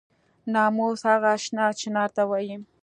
ناموس هغه شنه چنار ته وایي.